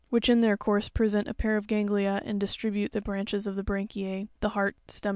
11, v), which in their course present a pair of ganglia and distribute their branches to the branchia, the heart, stomach, &c.